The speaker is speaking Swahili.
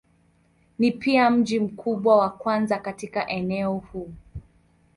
Ni pia mji mkubwa wa kwanza katika eneo huu.